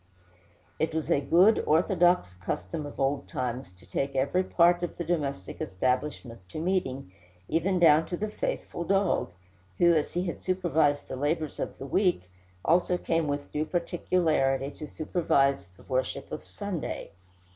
It was a good orthodox custom of old times to take every part of the domestic establishment to meeting, even down to the faithful dog, who, as he had supervised the labors of the week, also came with due particularity to supervise the worship of Sunday.